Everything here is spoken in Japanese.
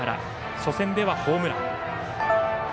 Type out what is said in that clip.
初戦ではホームラン。